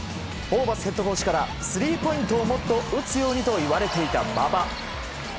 ホーバスヘッドコーチからスリーポイントをもっと打つようにと言われていた馬場。